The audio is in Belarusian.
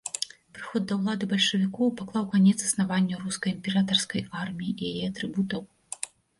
Прыход да ўлады бальшавікоў паклаў канец існаванню рускай імператарскай арміі і яе атрыбутаў.